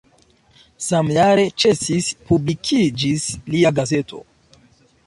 Samjare ĉesis publikiĝis lia gazeto.